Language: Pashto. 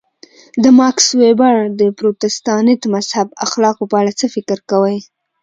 د ماکس وېبر د پروتستانت مذهب اخلاقو په اړه څه فکر کوئ.